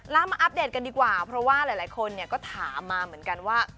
แล้วมาอัปเดตกันดีกว่าเพราะว่าหลายคนก็ถามมาเหมือนกันว่า